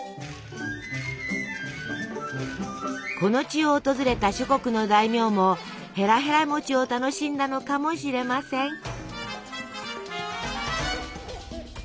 この地を訪れた諸国の大名もへらへら餅を楽しんだのかもしれません。